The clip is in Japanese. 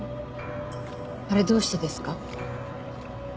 あれどうしてですか？